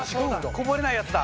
こぼれないやつだ！